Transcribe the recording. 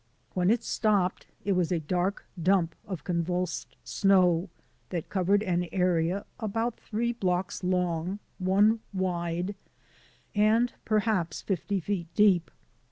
When it stopped it was a dark dump of convulsed snow that covered an area about three blocks long, one wide, and perhaps fifty feet deep.